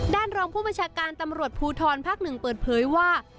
รองผู้บัญชาการตำรวจภูทรภาค๑เปิดเผยว่า